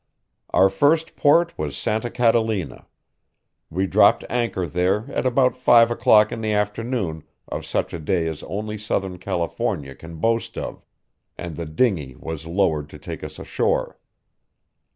Our first port was Santa Catalina. We dropped anchor there at about five o'clock in the afternoon of such a day as only southern California can boast of, and the dingey was lowered to take us ashore.